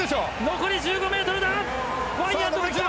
残り１５ｍだ。